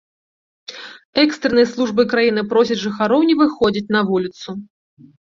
Экстранныя службы краіны просяць жыхароў не выходзіць на вуліцу.